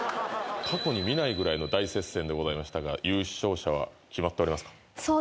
過去に見ないぐらいの大接戦でございましたが優勝者は決まっておりますか？